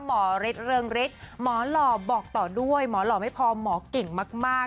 หมอฤทธิเริงฤทธิ์หมอหล่อบอกต่อด้วยหมอหล่อไม่พอหมอเก่งมาก